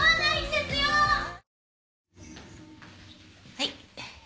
はい。